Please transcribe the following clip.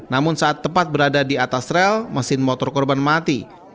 namun saat tepat berada di atas rel mesin motor korban mati